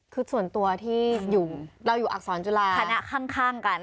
คือส่วนตัวที่เราอยู่อักษรจุฬาคณะข้างกัน